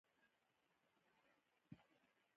زه يو موټر ګرځونکی يم